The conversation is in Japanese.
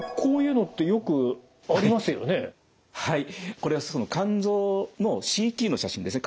これは肝臓のＣＴの写真ですね。